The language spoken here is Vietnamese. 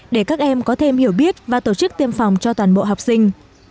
để các em có thêm hiểu biết và tổ chức tiêm phòng cho toàn bộ học sinh